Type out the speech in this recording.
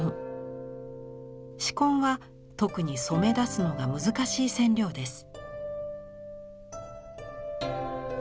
紫根は特に染め出すのが難しい染料です。